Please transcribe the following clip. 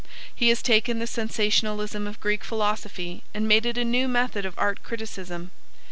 He has taken the sensationalism of Greek philosophy and made it a new method of art criticism.